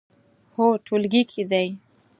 هو، ټولګي کې دی